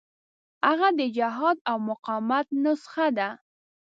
هغه د جهاد او مقاومت نسخه ده.